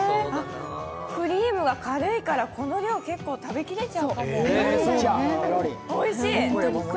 クリームが軽いから、この量結構食べ切れちゃうかも、おいしい！